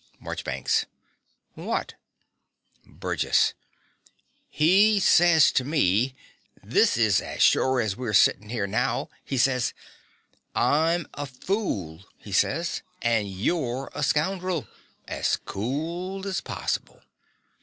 MARCHBANKS. What? BURGESS. He sez to me this is as sure as we're settin' here now he sez: "I'm a fool," he sez; "and yore a scounderl" as cool as possible.